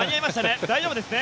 大丈夫ですね？